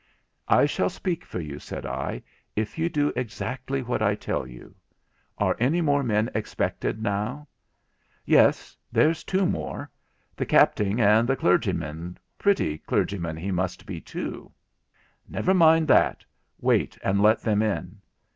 'I shall speak for you,' said I, 'if you do exactly what I tell you. Are anymore men expected now?' 'Yes, there's two more; the capting and the clergymin, pretty clergymin he must be, too.' 'Never mind that; wait and let them in.